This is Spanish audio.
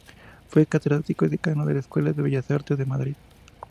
Fue catedrático, y decano, de la Escuela de Bellas Artes de Madrid.